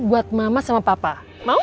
buat mama sama papa mau